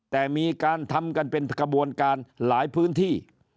แต่มีการทำกันเป็นกระบวนการหลายพื้นที่